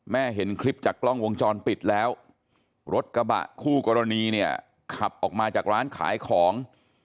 เห็นคลิปจากกล้องวงจรปิดแล้วรถกระบะคู่กรณีเนี่ยขับออกมาจากร้านขายของ